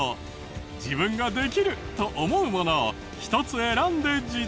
自分ができると思うものを１つ選んで実演。